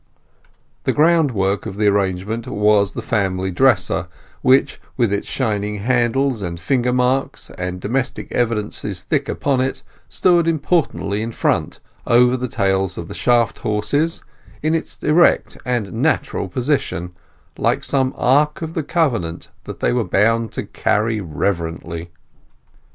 The groundwork of the arrangement was the family dresser, which, with its shining handles, and finger marks, and domestic evidences thick upon it, stood importantly in front, over the tails of the shaft horses, in its erect and natural position, like some Ark of the Covenant that they were bound to carry reverently.